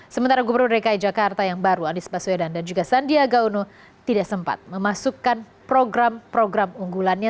sementara gubernur dki jakarta yang baru anies baswedan dan juga sandiaga uno tidak sempat memasukkan program program unggulannya